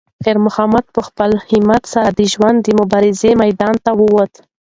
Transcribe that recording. خیر محمد په خپل همت سره د ژوند د مبارزې میدان ته وووت.